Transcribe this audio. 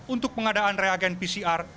untuk pengadaan reagen pcr